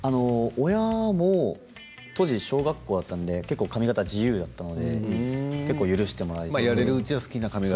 親も当時小学校だったんで結構髪形が自由だったので結構許してもらえて。